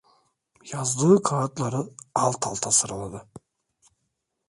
Yazdığı kâğıtları alt alta sıraladı.